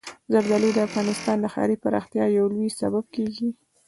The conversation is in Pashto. زردالو د افغانستان د ښاري پراختیا یو لوی سبب کېږي.